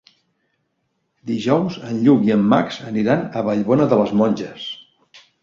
Dijous en Lluc i en Max aniran a Vallbona de les Monges.